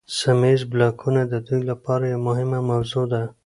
سیمه ایز بلاکونه د دوی لپاره یوه مهمه موضوع ده